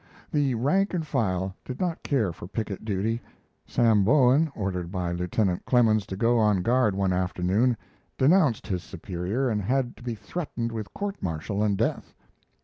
The rank and file did not care for picket duty. Sam Bowen ordered by Lieutenant Clemens to go on guard one afternoon denounced his superior and had to be threatened with court martial and death.